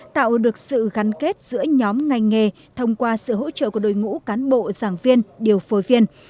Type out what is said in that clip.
tạo được sự gắn kết giữa nhóm ngành nghề thông qua sự hỗ trợ của đội ngũ cán bộ giảng viên điều phối viên